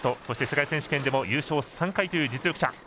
そして世界選手権でも優勝３回という実力者。